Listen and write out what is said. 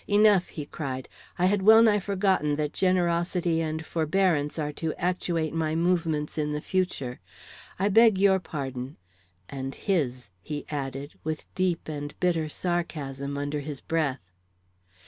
"Enough!" he cried. "I had wellnigh forgotten that generosity and forbearance are to actuate my movements in the future. I beg your pardon and his!" he added, with deep and bitter sarcasm, under his breath.